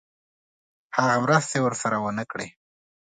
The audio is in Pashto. هغه مرستې ورسره ونه کړې.